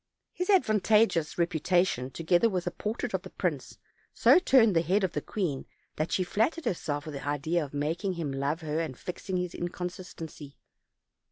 His advantageous reputation, together with a portrait of the prince, so turned the head of the queen that she flattered herself with the idea of making him love her and fixing his inconstancy.